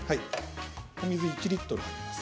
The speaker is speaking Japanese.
お水１リットル入ります。